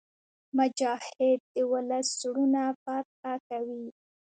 مجاهد د ولس زړونه فتح کوي.